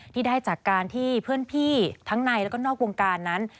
ที่ได้จากการที่เพื่อนพี่ทั้งในแล้วก็นอกวงการนั้น